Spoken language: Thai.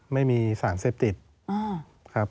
ไม่มีสารเศษฐีตครับ